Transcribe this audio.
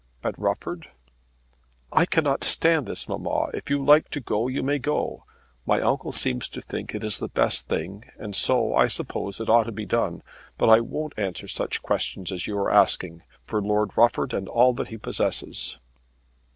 "At Rufford?" "I cannot stand this, mamma. If you like to go you may go. My uncle seems to think it is the best thing, and so I suppose it ought to be done. But I won't answer such questions as you are asking for Lord Rufford and all that he possesses."